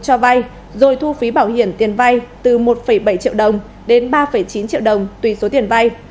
cho vay rồi thu phí bảo hiểm tiền vay từ một bảy triệu đồng đến ba chín triệu đồng tùy số tiền vay